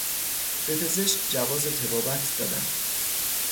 به پزشک جواز طبابت دادن